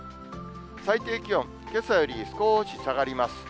最低気温、けさより少し下がります。